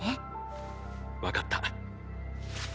わかった。